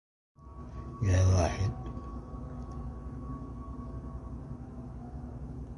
يا شبيه الهلال سقيا لليل